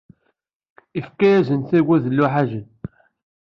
Ifka-asen-d tagut d leḥǧab.